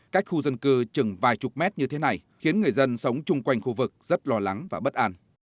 cách khu dân cư chừng vài chục mét như thế này khiến người dân sống chung quanh khu vực rất lo lắng và bất an